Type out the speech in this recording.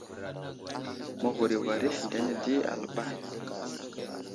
Məghur i war isendene di aləɓay.